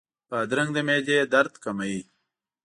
بادرنګ د معدې درد کموي.